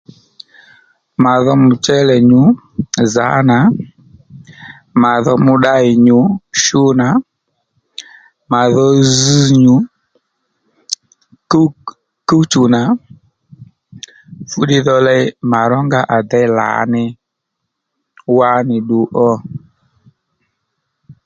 Mà dho mùchélè nyù zǎ nà mà dho mùddáyì nyù shu nà mà dhó zz nyù kúw kúw-chù nà fúddiy dho ley mà rónga à déy lǎní wánì ddu ó